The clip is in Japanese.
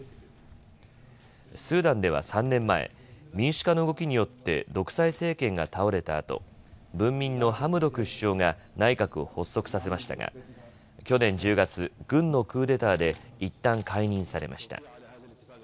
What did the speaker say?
スーダンでは３年前民主化の動きによって独裁政権が倒れたあと文民のハムドク首相が内閣を発足させましたが去年１０月、軍のクーデターでいったん解任されました。